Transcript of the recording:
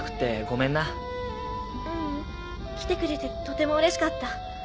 ううん来てくれてとてもうれしかった。